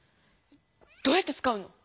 どうやってつかうの？